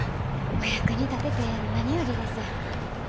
お役に立てて何よりです。